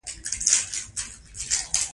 حکم د امر له اجرا څخه عبارت دی.